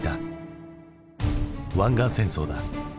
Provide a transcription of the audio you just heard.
湾岸戦争だ。